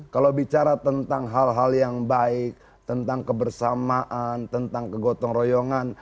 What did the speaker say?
kalau bicara tentang hal hal yang baik tentang kebersamaan tentang kegotong royongan